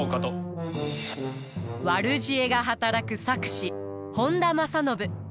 悪知恵が働く策士本多正信。